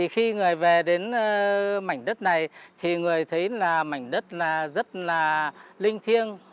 khi người về đến mảnh đất này người thấy mảnh đất rất linh thiêng